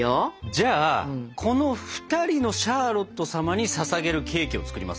じゃあこの２人のシャーロット様にささげるケーキを作ります？